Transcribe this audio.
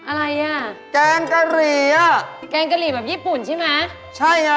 อะไรอ่ะแกงกะหรี่อ่ะแกงกะหรี่แบบญี่ปุ่นใช่ไหมใช่ไง